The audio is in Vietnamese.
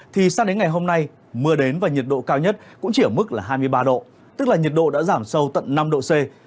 thì sang đến ngày hôm nay mưa đến và nhiệt độ cao nhất cũng chỉ ở mức là hai mươi ba độ tức là nhiệt độ đã giảm sâu tận năm độ c